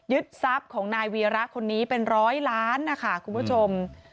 ทรัพย์ของนายวีระคนนี้เป็นร้อยล้านนะคะคุณผู้ชม